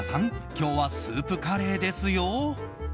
今日はスープカレーですよ。